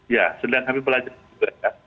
ya sedang kami pelajari juga ya